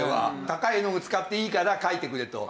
高い絵の具使っていいから描いてくれと。